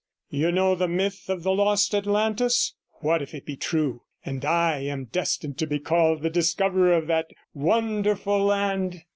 You know the myth of the lost Atlantis; what if it be true, and I am destined to be called the discoverer of that wonderful land?'